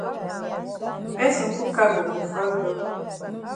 Person put cargo for front door.